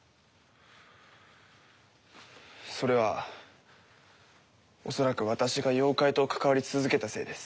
それは恐らく私が妖怪と関わり続けたせいです。